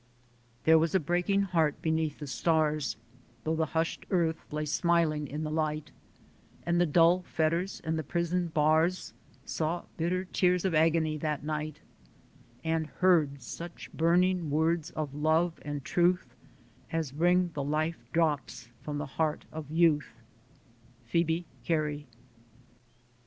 [There was a] breaking heart beneath the stars, Tho' the hushed earth lay smiling in the light, And the dull fetters and the prison bars Saw bitter tears of agony that night, And heard such burning words of love and truth As wring the life drops from the heart of youth. Phoebe Carey.